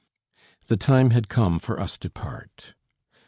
The time had come for us to part.